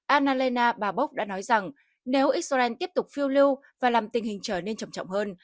analena babok đã nói rằng nếu israel tiếp tục phiêu lưu và làm tình hình trở nên trầm trọng hơn